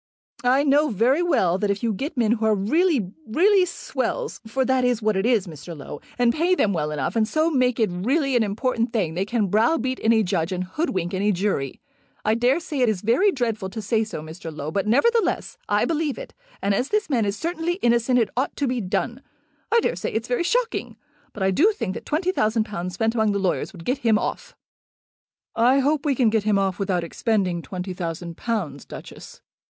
"I know very well that if you get men who are really, really swells, for that is what it is, Mr. Low, and pay them well enough, and so make it really an important thing, they can browbeat any judge and hoodwink any jury. I daresay it is very dreadful to say so, Mr. Low; but, nevertheless, I believe it, and as this man is certainly innocent it ought to be done. I daresay it's very shocking, but I do think that twenty thousand pounds spent among the lawyers would get him off." "I hope we can get him off without expending twenty thousand pounds, Duchess."